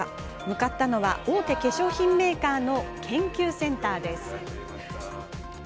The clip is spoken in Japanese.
向かったのは大手化粧品メーカーの研究センターです。